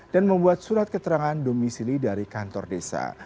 dan membuat surat keterangan domisili dari kantor desa